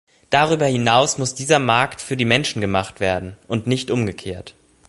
Darüber hinaus muss dieser Markt für die Menschen gemacht werden, und nicht umgekehrt.